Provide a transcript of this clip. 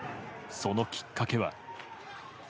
そのきっかけは。